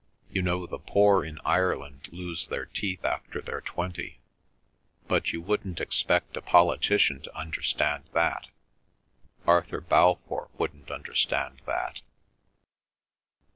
You know the poor in Ireland lose their teeth after they're twenty. But you wouldn't expect a politician to understand that—Arthur Balfour wouldn't understand that."